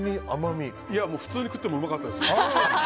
普通に食ってもうまかったです。